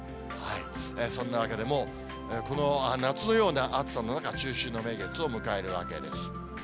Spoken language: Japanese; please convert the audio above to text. そんなわけでもう、この夏のような暑さの中、中秋の名月を迎えるわけです。